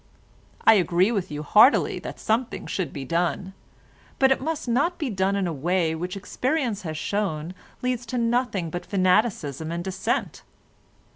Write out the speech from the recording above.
I agree with you heartily that something should be done, but it must not be done in a way which experience has shown leads to nothing but fanaticism and dissent.